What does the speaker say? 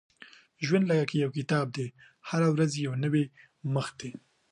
• ژوند لکه یو کتاب دی، هره ورځ یې یو نوی مخ دی.